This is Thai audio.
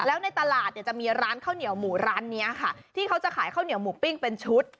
แล้วในตลาดเนี่ยจะมีร้านข้าวเหนียวหมูร้านนี้ค่ะที่เขาจะขายข้าวเหนียวหมูปิ้งเป็นชุด